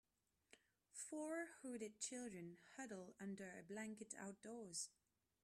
Four hooded children huddle under a blanket outdoors.